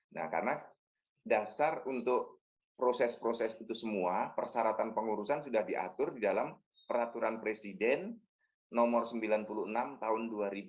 nah karena dasar untuk proses proses itu semua persyaratan pengurusan sudah diatur di dalam peraturan presiden nomor sembilan puluh enam tahun dua ribu dua puluh